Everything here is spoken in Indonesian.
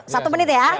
satu menit ya